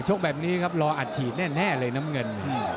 ชกแบบนี้ครับรออัดฉีดแน่เลยน้ำเงิน